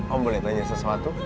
om boleh tanya sesuatu